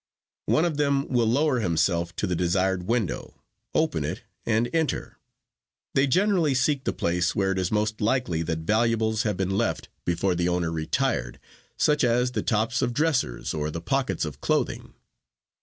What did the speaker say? One of them will lower himself to the desired window, open it and enter. They generally seek the place where it is most likely that valuables have been left before the owner retired, such as the tops of dressers or the pockets of clothing.